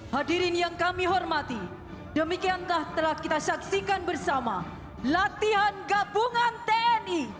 hadirin yang kami hormati demikianlah telah kita saksikan bersama latihan gabungan tni